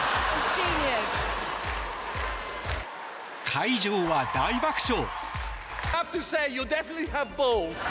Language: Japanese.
会場は大爆笑。